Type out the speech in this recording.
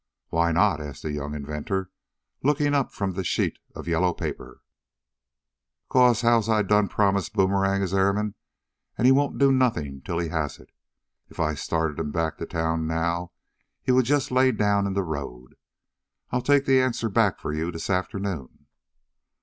"Why not?" asked the young inventor, looking up from the sheet of yellow paper. "'Case as how I done promised Boomerang his airman, an' he won't do nothin' till he has it. Ef I started him back t' town now he would jest lay down in de road. I'll take de answer back fo' you dis arternoon."